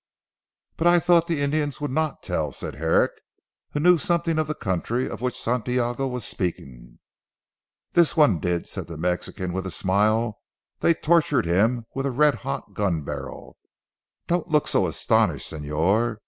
"But I thought the Indians would not tell," said Herrick, who knew something of the country of which Santiago was speaking. "This one did," said the Mexican with a smile, "they tortured him with a red hot gun barrel. Don't look so astonished Señor.